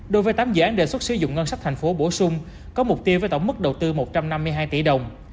đối với tám dự án đề xuất sử dụng ngân sách thành phố bổ sung có mục tiêu với tổng mức đầu tư một trăm năm mươi hai tỷ đồng